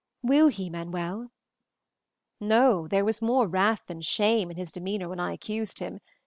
Will he, Manuel?" "No; there was more wrath than shame in his demeanor when I accused him.